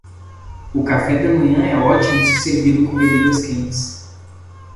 O café da manhã é ótimo se servido com bebidas quentes.